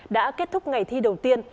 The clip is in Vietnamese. đã kết thúc ngày thi đầu tiên